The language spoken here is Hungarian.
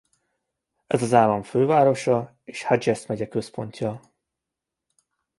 Ez az állam fővárosa és Hughes megye központja.